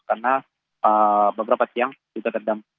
karena beberapa tiang juga terdampak